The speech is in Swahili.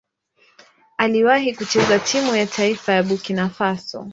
Aliwahi kucheza timu ya taifa ya Burkina Faso.